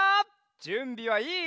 じゅんびはいい？